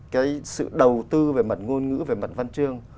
cái sự đầu tư về mặt ngôn ngữ về mặt văn chương